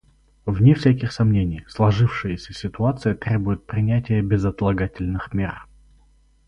Вне всяких сомнений, сложившаяся ситуация требует принятия безотлагательных мер.